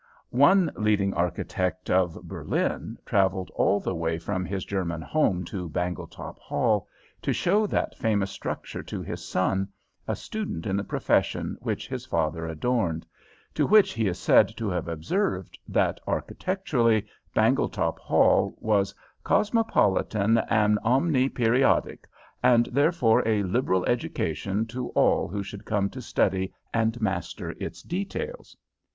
One leading architect of Berlin travelled all the way from his German home to Bangletop Hall to show that famous structure to his son, a student in the profession which his father adorned; to whom he is said to have observed that, architecturally, Bangletop Hall was "cosmopolitan and omniperiodic, and therefore a liberal education to all who should come to study and master its details."